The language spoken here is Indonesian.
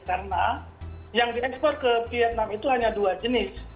karena yang di ekspor ke vietnam itu hanya dua jenis